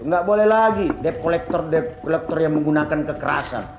nggak boleh lagi depkolektor depkolektor yang menggunakan kekerasan